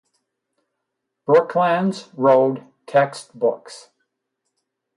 Brooklands Road Text Books.